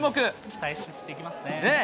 期待していきますね。